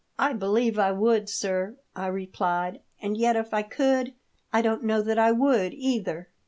"I believe I would, sir," I replied; "and yet if I could, I don't know that I would, either."